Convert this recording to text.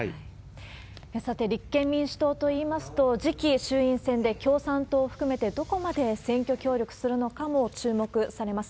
さて、立憲民主党といいますと、次期衆院選で共産党を含めて、どこまで選挙協力するのかも注目されます。